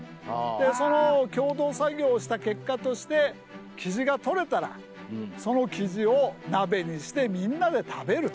その共同作業をした結果としてキジがとれたらそのキジを鍋にしてみんなで食べると。